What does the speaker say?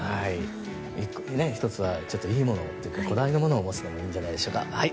１つはいいものこだわりのものを持つのもいいんじゃないでしょうか。